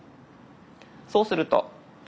そうすると。